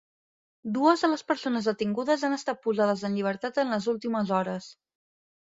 Dues de les persones detingudes han estat posades en llibertat en les últimes hores.